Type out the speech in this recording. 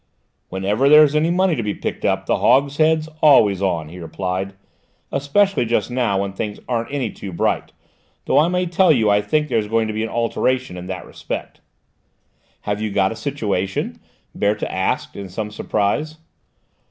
"Whenever there's any money to be picked up the Hogshead's always on," he replied: "especially just now when things aren't any too bright, though I may tell you I think there's going to be an alteration in that respect." "Have you got a situation?" Berthe asked in some surprise.